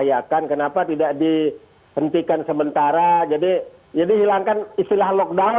mereka mengatakan bahwa mereka tidak dianggap sebagai kutipan